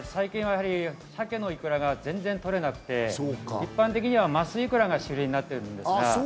鮭のイクラが全然取れなくて、一般的にはマスイクラが主流になってるんですよ。